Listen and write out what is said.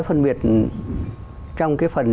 phân biệt trong cái phần